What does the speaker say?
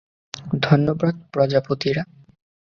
ধন্যবাদ, প্রজাপতিরা!